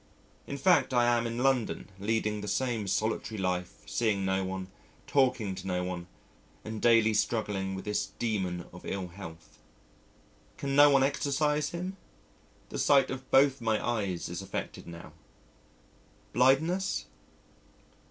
In fact, I am in London, leading the same solitary life, seeing no one, talking to no one, and daily struggling with this demon of ill health. Can no one exorcise him? The sight of both my eyes is affected now. Blindness?